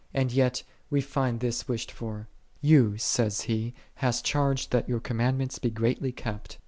And yet we find this wished for. '* Thou," saith he, " hast charged, that Thy commandments be greatly kept."